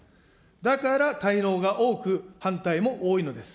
だから、滞納が多く、反対も多いのです。